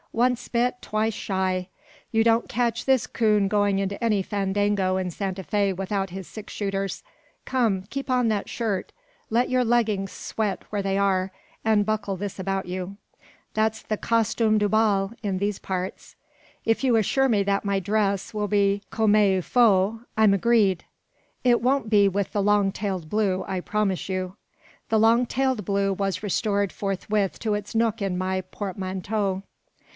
Once bit, twice shy. You don't catch this 'coon going into any fandango in Santa Fe without his six shooters. Come, keep on that shirt; let your leggings sweat where they are, and buckle this about you. That's the costume du bal in these parts." "If you assure me that my dress will be comme il faut, I'm agreed." "It won't be with the long tailed blue, I promise you." The long tailed blue was restored forthwith to its nook in my portmanteau.